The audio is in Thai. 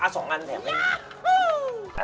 สองอันแถมกัน